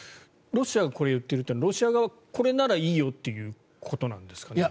ロシアがこれを言っているということはロシア側はこれならいいよということなんですか？